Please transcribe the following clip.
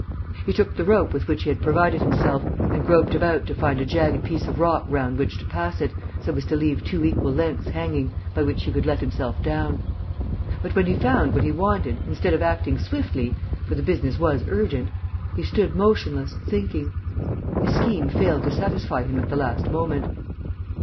He took the rope with which he had provided himself and groped about to find a jagged piece of rock round which to pass it, so as to leave two equal lengths hanging, by which he could let himself down. But, when he found what he wanted, instead of acting swiftly for the business was urgent he stood motionless, thinking. His scheme failed to satisfy him at the last moment.